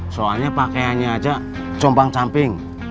soalnya pakaiannya aja combang camping